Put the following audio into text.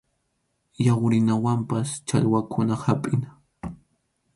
Yawrinawanpas challwakuna hapʼina.